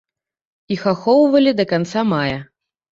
Іх ахоўвалі да канца мая.